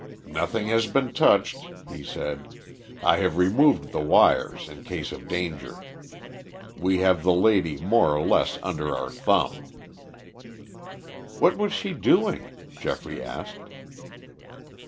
"Nothing has been touched," he said. "I have removed the wires, in case of danger. We have the lady more or less under our thumb." "What was she doing?" Geoffrey asked.